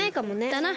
だな。